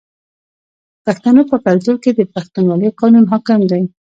د پښتنو په کلتور کې د پښتونولۍ قانون حاکم دی.